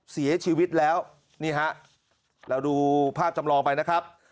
เสียชีวิตแล้วนี่ฮะเราดูภาพจำลองไปนะครับ